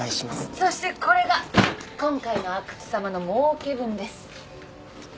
そしてこれが今回の阿久津さまのもうけ分です。